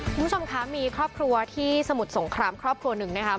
คุณผู้ชมคะมีครอบครัวที่สมุทรสงครามครอบครัวหนึ่งนะคะ